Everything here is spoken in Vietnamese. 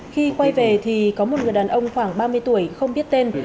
khi quay về thì có một người đàn ông khoảng ba mươi tuổi không biết tên